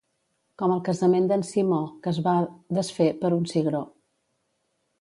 Com el casament d'en Simó, que es va desfer per un cigró.